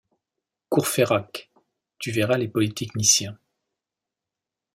Courfeyrac, tu verras les polytechniciens.